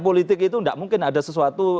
politik itu tidak mungkin ada sesuatu